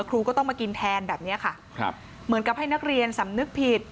ครูก็ต้องมากินแทนแบบนี้ค่ะครับเหมือนกับให้นักเรียนสำนึกผิด